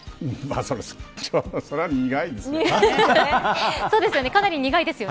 それは苦いですよ。